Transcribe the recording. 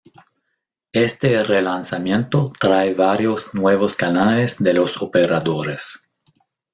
Este relanzamiento trae varios nuevos canales de los operadores.